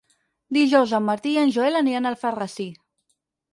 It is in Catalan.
Dijous en Martí i en Joel aniran a Alfarrasí.